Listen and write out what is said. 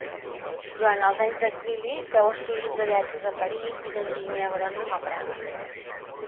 Durant els anys d'exili féu estudis de lletres a París i d'enginyer agrònom a Praga.